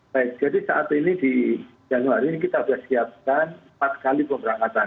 jadi saat ini di januari kita sudah siapkan empat kali pemberangkatan